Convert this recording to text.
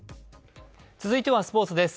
続いてはスポーツです。